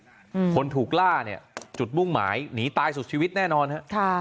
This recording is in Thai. อืมคนถูกล่าเนี้ยจุดมุ่งหมายหนีตายสุดชีวิตแน่นอนฮะค่ะ